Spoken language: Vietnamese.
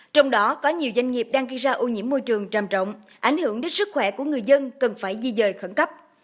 trong đó có nhiều doanh nghiệp đang gây ra ô nhiễm môi trường tràm trọng ảnh hưởng đến sức khỏe của người dân cần phải di dời khẩn cấp